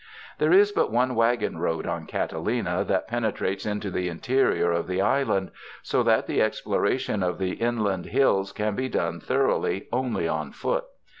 There is but one wagon road on Catalina that penetrates into the interior of the island, so that the exploration of the inland hills can be done thor . oughly only on foot.